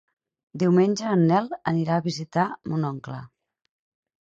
Diumenge en Nel anirà a visitar mon oncle.